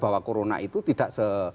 bahwa corona itu tidak